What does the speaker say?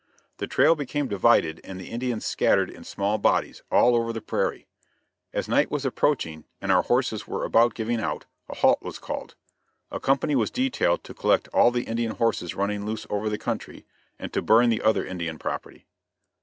The trail became divided, and the Indians scattered in small bodies, all over the prairie. As night was approaching and our horses were about giving out, a halt was called. A company was detailed to collect all the Indian horses running loose over the country, and to burn the other Indian property.